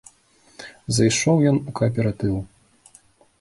Зайшоў ён у кааператыў.